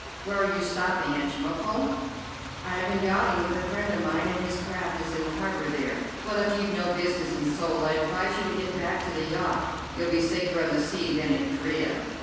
Where are you stopping at Chemulpo?" "I have been yachting with a friend of mine, and his craft is in the harbour there." "Well, if you've no business in Seoul, I advise you to get back to the yacht. You'll be safer on the sea than in Corea."